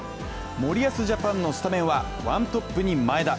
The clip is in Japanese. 森保ジャパンのスタメンは、ワントップに前田。